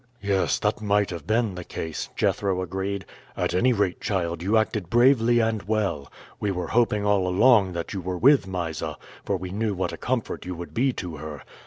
"Yes, that might have been the case," Jethro agreed. "At any rate, child, you acted bravely and well. We were hoping all along that you were with Mysa, for we knew what a comfort you would be to her.